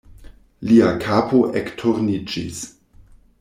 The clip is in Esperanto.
Lia kapo ekturniĝis.